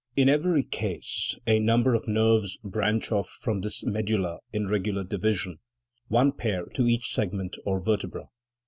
In every case a number of nerves branch off from this medulla in regular division, one pair to each segment or vertebra.